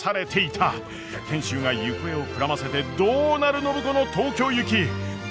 賢秀が行方をくらませてどうなる暢子の東京行き。